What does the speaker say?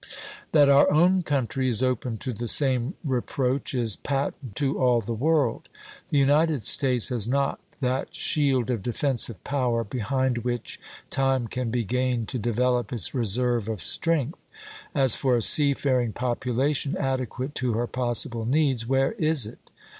That our own country is open to the same reproach, is patent to all the world. The United States has not that shield of defensive power behind which time can be gained to develop its reserve of strength. As for a seafaring population adequate to her possible needs, where is it?